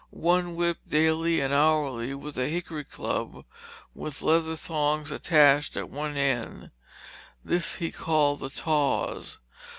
One whipped daily and hourly with a hickory club with leather thongs attached at one end; this he called the "taws."